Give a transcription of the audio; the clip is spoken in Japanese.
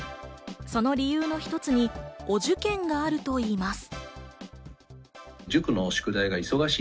その理由の一つに、お受験があるといいます。